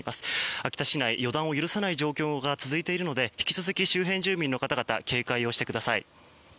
秋田市内、予断を許さない状況が続いているので引き続き周辺住民の方々警戒を続けてください。